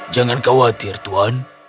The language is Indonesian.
jangan khawatir tuan